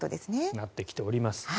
なってきております。